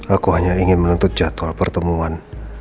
aku hanya ingin menuntut jadwal pertemuan